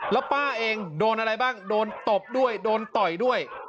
แล้วป้าเองโดนอะไรบ้างโดนตบด้วยโดนต่อยด้วย